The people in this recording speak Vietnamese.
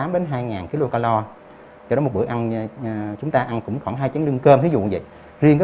đến hai kcal cho đến một bữa ăn chúng ta ăn cũng khoảng hai chén lưng cơm thí dụ như vậy riêng cái